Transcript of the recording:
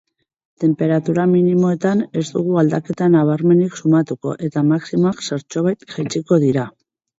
Tenperatura minimoetan ez dugu aldaketa nabarmenik sumatuko eta maximoak zertxobait jaitsiko dira.